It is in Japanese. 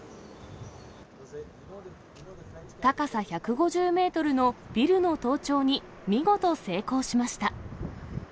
高さ１５０メートルのビルの登頂に見事成功しました。